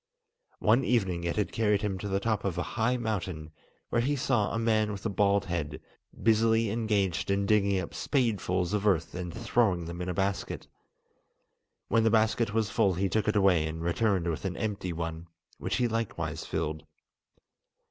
One evening it had carried him to the top of a high mountain, where he saw a man with a bald head, busily engaged in digging up spadefuls of earth and throwing them in a basket. When the basket was full he took it away and returned with an empty one, which he likewise filled.